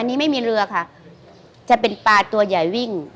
อันนี้ไม่มีเรือค่ะจะเป็นปลาตัวใหญ่วิ่ง